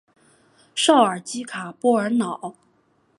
绍尔基卡波尔瑙。